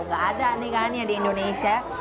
gak ada nih kan ya di indonesia